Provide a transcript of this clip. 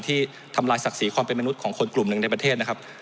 ที่ทำลายศักดิ์ศรีความเป็นมนุษย์ของคนกลุ่มหนึ่งในประเทศนะครับ